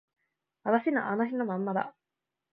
私はあの日のままなんだ